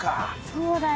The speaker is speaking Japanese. そうだよ。